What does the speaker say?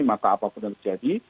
maka apapun yang terjadi